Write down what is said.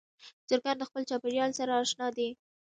چرګان د خپل چاپېریال سره اشنا دي.